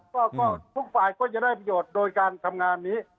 ก็ทุกฝ่ายก็จะได้ประโยชน์โดยการทำงานนี้